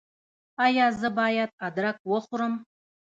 ایا زه باید ادرک وخورم؟